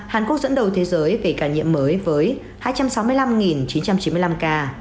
hàn quốc dẫn đầu thế giới về ca nhiễm mới với hai trăm sáu mươi năm chín trăm chín mươi năm ca